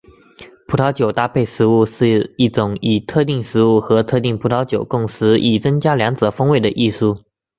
葡萄酒搭配食物是一种以特定食物和特定葡萄酒共食以增加两者风味的艺术。